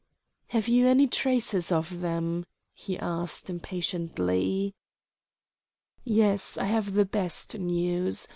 "Have you any traces of them?" he asked impatiently. "Yes, I have the best news.